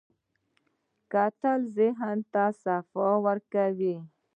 کتل ذهن ته صفا ورکوي